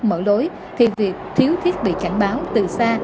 mở lối thì việc thiếu thiết bị cảnh báo từ xa